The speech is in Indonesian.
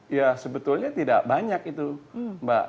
ya sebetulnya tidak banyak itu mbak